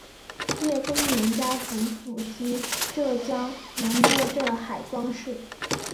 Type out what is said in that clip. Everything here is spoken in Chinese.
叶庚年家族祖籍浙江宁波镇海庄市。